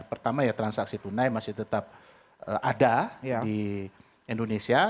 pertama ya transaksi tunai masih tetap ada di indonesia